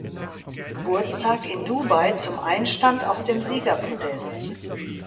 Geburtstag in Dubai zum Einstand auf dem Siegerpodest.